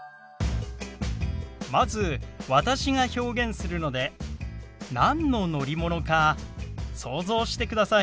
まず私が表現するので何の乗り物か想像してください。